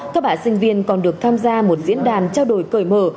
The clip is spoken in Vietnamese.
các bạn sinh viên còn được tham gia một diễn đàn trao đổi cởi mở